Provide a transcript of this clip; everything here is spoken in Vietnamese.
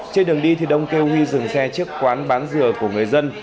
trên đường đi thì đông kêu huy dừng xe trước quán bán dừa của người dân